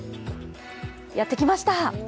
やってきました！